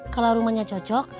kalau rumahnya cocok